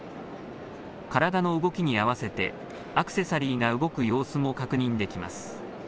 体の動きに合わせてアクセサリーが動く様子も確認できます。